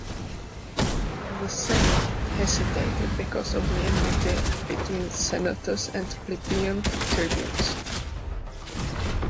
The senate hesitated because of the enmity between senators and plebeian tribunes.